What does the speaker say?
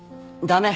駄目。